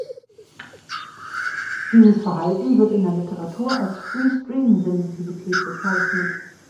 Dieses Verhalten wird in der Literatur als „free stream“-Sensitivität bezeichnet.